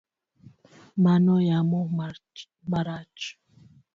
Mano yamo marach.